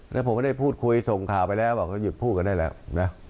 แล้วผมก็ได้พูดคุยส่งข่าวไปแล้วบอกเขาหยุดพูดกันได้แล้วนะ